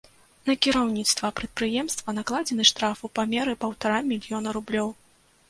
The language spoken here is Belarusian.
На кіраўніцтва прадпрыемства накладзены штраф у памеры паўтара мільёна рублёў.